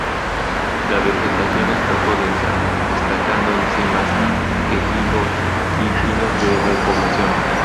La vegetación es poco densa, destacando encinas, quejigos y pinos de repoblación.